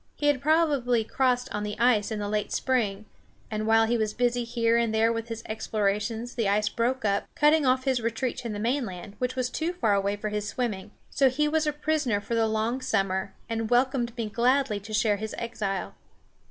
He had probably crossed on the ice in the late spring, and while he was busy here and there with his explorations the ice broke up, cutting off his retreat to the mainland, which was too far away for his swimming. So he was a prisoner for the long summer, and welcomed me gladly to share his exile.